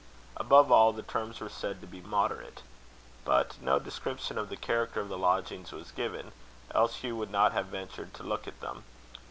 Above all, the terms were said to be moderate. But no description of the character of the lodgings was given, else Hugh would not have ventured to look at them.